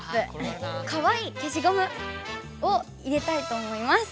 かわいいけしゴムを入れたいと思います。